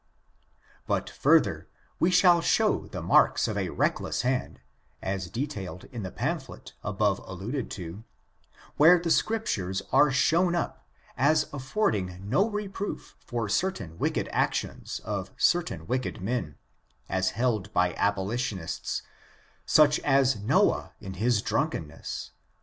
But further, we shall show the marks of a reckless hand, as detailed in the pamphlet above alluded to, where the Scriptures are shown up, as affording no reproof for certain wicked actions of certain wicked men, as held by abolitionists, such as Noah in his drunkenness.